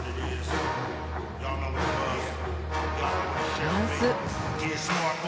バランス。